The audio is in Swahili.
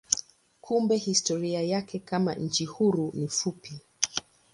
Kumbe historia yake kama nchi huru ni fupi.